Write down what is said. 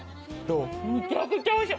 めちゃくちゃおいしい！